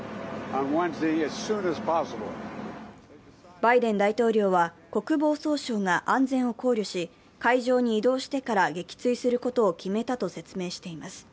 バイデン大統領は、国防総省が安全を考慮し、海上に移動してから撃墜することを決めたと説明しています。